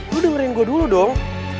lo udah ngereng gue dulu dong